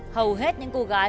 hầu hết những cô gái